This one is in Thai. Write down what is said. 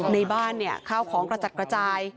ในบ้านเนี่ยข้าวของกระจัดกระจาย